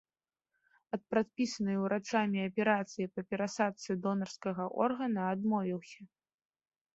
Ад прадпісанай урачамі аперацыі па перасадцы донарскага органа адмовіўся.